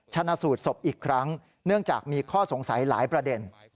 ชนะสูตรศพอีกครั้งเนื่องจากมีข้อสงสัยหลายประเด็น